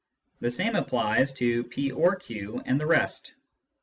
The same applies to " p or q " and the rest.